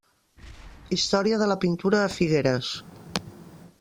Història de la pintura a Figueres.